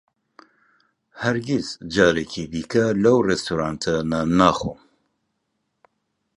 ھەرگیز جارێکی دیکە لەو ڕێستورانتە نان ناخۆم.